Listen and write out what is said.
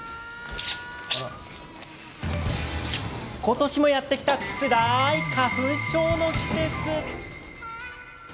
今年もやってきたつらい花粉症の季節。